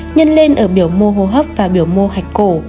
nhân lên ở biểu mô hô hấp và biểu mô hạch cổ